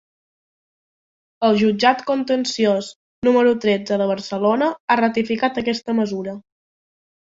El jutjat contenciós número tretze de Barcelona ha ratificat aquesta mesura.